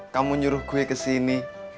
kamu nyuruh gue kesini